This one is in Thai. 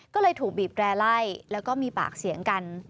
ก็เลยถูกบีบแร่ไล่แล้วก็มีปากเสียงกัน